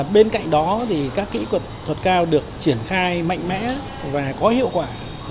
bên cạnh đó các kỹ thuật thuật cao được triển khai mạnh mẽ và có hiệu quả